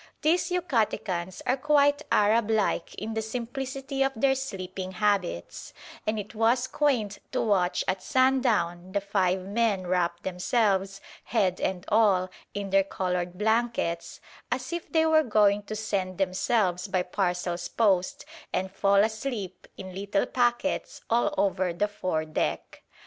These Yucatecans are quite Arab like in the simplicity of their sleeping habits, and it was quaint to watch at sundown the five men wrap themselves, head and all, in their coloured blankets, as if they were going to send themselves by parcels post, and fall asleep in little packets all over the fore deck.